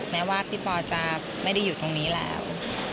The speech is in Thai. แม้ว่าพี่ปอจะไม่ได้อยู่ตรงนี้แล้ว